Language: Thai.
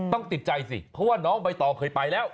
ต้องติดใจสิเพราะว่าน้องไปต่อเคยไปแล้ว